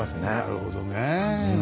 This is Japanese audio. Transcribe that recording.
なるほどね。